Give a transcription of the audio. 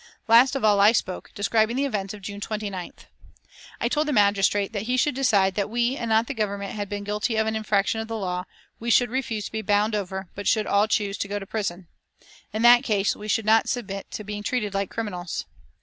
Last of all I spoke, describing the events of June 29th. I told the magistrate that should he decide that we and not the Government had been guilty of an infraction of the law, we should refuse to be bound over, but should all choose to go to prison. In that case we should not submit to being treated like criminals.